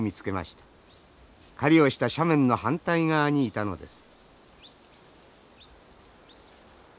狩りをした斜面の反対側にいたのです。